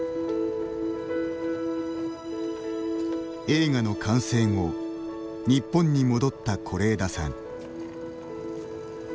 映画の完成後日本に戻った是枝さん。